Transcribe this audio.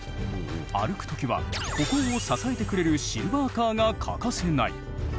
歩く時は歩行を支えてくれるシルバーカーが欠かせない。